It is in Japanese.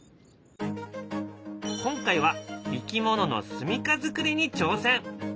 今回はいきもののすみかづくりに挑戦。